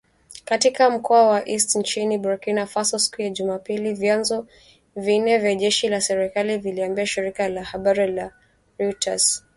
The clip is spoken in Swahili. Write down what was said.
Katika mkoa wa Est nchini Burkina Faso siku ya Jumapili vyanzo vine vya jeshi la serikali vililiambia shirika la habari la Reuters